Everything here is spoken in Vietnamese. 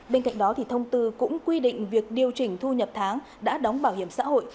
bên cạnh đó thông tư cũng quy định việc điều chỉnh thu nhập tháng đã đóng bảo hiểm xã hội